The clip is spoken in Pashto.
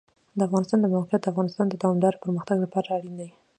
د افغانستان د موقعیت د افغانستان د دوامداره پرمختګ لپاره اړین دي.